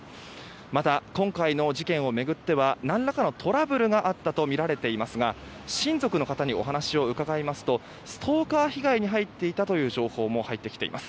また今回の事件を巡っては何らかのトラブルがあったとみられていますが親族の方にお話を伺いますとストーカー被害に遭っていたという情報も入ってきています。